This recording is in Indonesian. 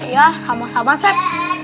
ya sama sama sep